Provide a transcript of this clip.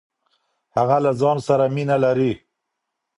هغه له ځان سره مينه لري.